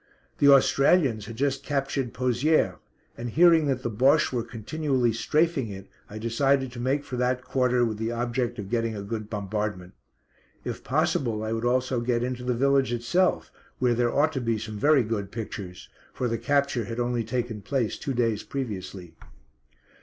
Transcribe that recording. The Australians had just captured Pozières, and hearing that the Bosche were continually "strafing" it I decided to make for that quarter with the object of getting a good bombardment. If possible, I would also get into the village itself where there ought to be some very good pictures, for the capture had only taken place two days previously.